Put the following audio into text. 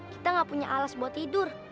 kita gak punya alas buat tidur